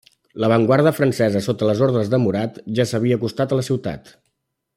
L'avantguarda francesa sota les ordres de Murat ja s'havia acostat a la ciutat.